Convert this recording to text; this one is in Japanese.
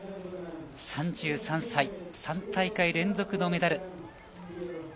３３歳、３大会連続のメダル。